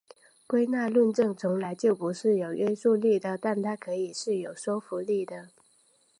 归纳论证从来就不是有约束力的但它们可以是有说服力的。